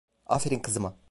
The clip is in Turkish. Aferin kızıma.